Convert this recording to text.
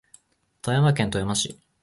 富山県富山市